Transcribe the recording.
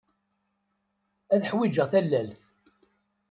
Ad ḥwijeɣ tallalt.